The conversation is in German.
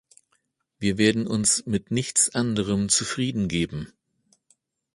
Wir werden uns mit nichts anderem zufriedengeben.